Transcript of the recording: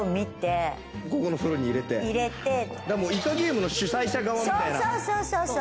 『イカゲーム』の主催者側みたいな。